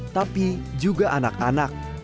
tapi juga anak anak